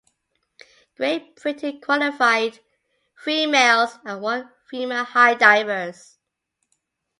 Great Britain qualified three male and one female high divers.